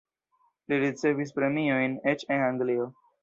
Li ricevis premiojn, eĉ en Anglio.